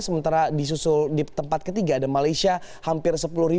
sementara disusul di tempat ketiga ada malaysia hampir sepuluh